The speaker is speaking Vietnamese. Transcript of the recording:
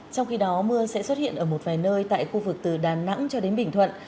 trong khi đó mưa sẽ xuất hiện ở một vài nơi tại khu vực từ đà nẵng cho đến bình thuận